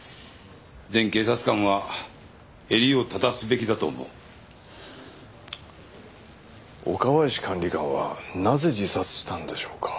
全警察官は襟を正すべきだと思う岡林管理官はなぜ自殺したんでしょうか？